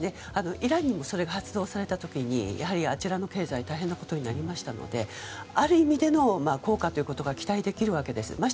イランにもそれが発動された時はあちらの経済が大変なことになりましたのである意味の効果が期待できるわけです。